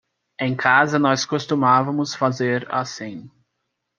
Em casa nós costumávamos fazer assim.